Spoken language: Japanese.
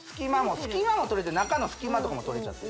隙間もとれてる中の隙間とかもとれちゃって・